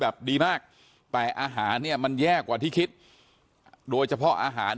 ดีมากแต่อาหารเนี่ยมันแย่กว่าที่คิดโดยเฉพาะอาหาร